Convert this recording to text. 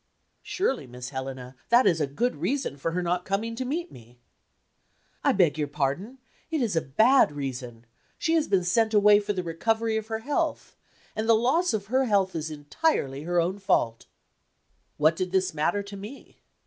"Surely, Miss Helena, that is a good reason for her not coming to meet me?" "I beg your pardon it is a bad reason. She has been sent away for the recovery of her health and the loss of her health is entirely her own fault." What did this matter to me?